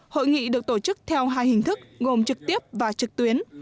hội nghị được tổ chức theo hai hình thức gồm trực tiếp và trực tuyến